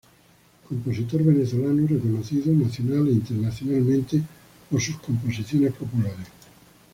Compositor venezolano reconocido nacional e internacionalmente por sus composiciones populares.